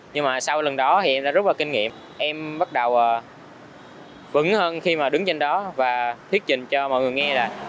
nhưng mà sau lần đó thì em đã rút vào kinh nghiệm em bắt đầu vững hơn khi mà đứng trên đó và thiết trình cho mọi người nghe là